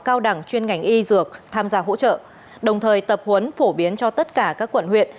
cao đẳng chuyên ngành y dược tham gia hỗ trợ đồng thời tập huấn phổ biến cho tất cả các quận huyện